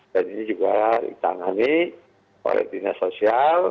dan ini juga ditangani oleh dinas sosial